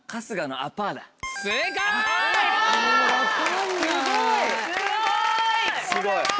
すごい。